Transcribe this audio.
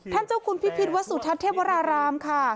เจ้าคุณพิพิษวัสสุทัศน์เทพวรารามค่ะ